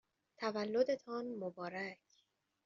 تولدتان مبارک!